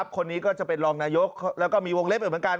คนนี้ก็จะเป็นรองนายกแล้วก็มีวงเล็บอยู่เหมือนกัน